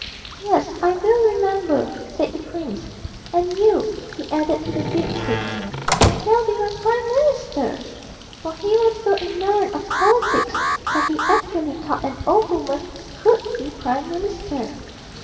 'Yes, I will remember,' said the prince; 'and you,' he added to the gipsy, 'you shall be my prime minister!' for he was so ignorant of politics that he actually thought an old woman could be prime minister.